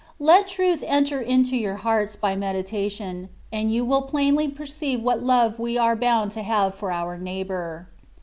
Let truth enter into your hearts by meditation, and you will plainly perceive what love we are bound to have for our neighbour.